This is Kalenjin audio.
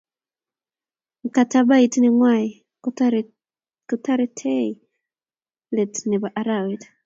mkatabait nenguai kotarei let nepo arawet